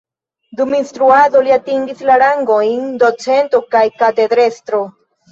Dum instruado li atingis la rangojn docento kaj katedrestro.